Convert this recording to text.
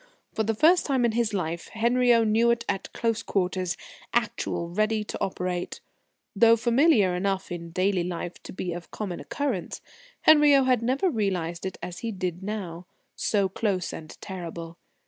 For the first time in his life, Henriot knew it at close quarters, actual, ready to operate. Though familiar enough in daily life to be of common occurrence, Henriot had never realised it as he did now, so close and terrible.